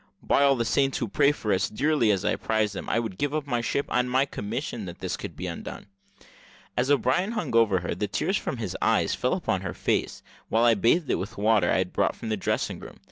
"By all the saints who pray for us dearly as I prize them, I would give up my ship and my commission, that this could be undone." As O'Brien hung over her, the tears from his eyes fell upon her face, while I bathed it with the water I had brought from the dressing room.